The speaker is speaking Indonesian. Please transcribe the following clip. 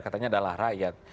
katanya adalah rakyat